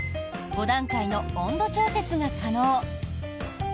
５段階の温度調節が可能。